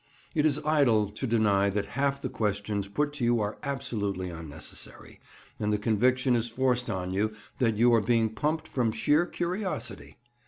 It is idle to deny that half the questions put to you are absolutely unnecessary, and the conviction is forced on you that you are being pumped from sheer curiosity.